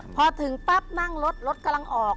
พอถึงปั๊บนั่งรถรถกำลังออก